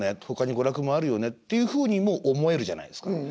ほかに娯楽もあるよねっていうふうにも思えるじゃないですか。